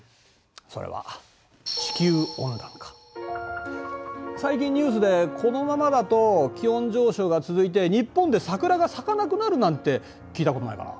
それは最近ニュースでこのままだと気温上昇が続いて日本で桜が咲かなくなるなんて聞いたことないかな？